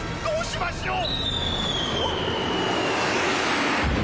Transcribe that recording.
どうしましょう！おっ？